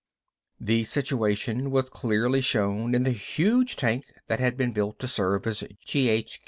The situation was clearly shown in the huge tank that had been built to serve as G.H.